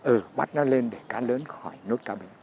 ừ bắt nó lên để cá lớn khỏi nuốt cá bình